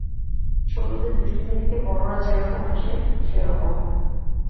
ছোটদের দুষ্টুমি দেখে বড়রা যে-রকম হাসে, সেরকম।